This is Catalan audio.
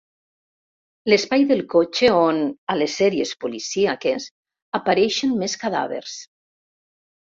L'espai del cotxe on, a les sèries policíaques, apareixen més cadàvers.